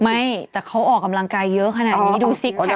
ไม่แต่เขาออกกำลังกายเยอะขนาดนี้ดูซิกแพคเขาเห็น